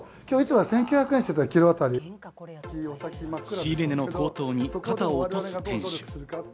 仕入れ値の高騰に肩を落とす店主。